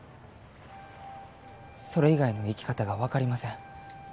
それ以外の生き方が分かりません。